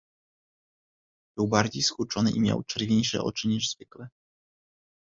"Był bardziej skurczony i miał czerwieńsze oczy, niż zwykle."